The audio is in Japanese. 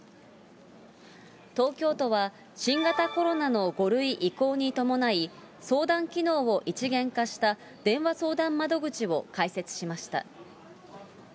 東京都は、新型コロナの５類移行に伴い、相談機能を一元化した電話相談窓口を開設しました。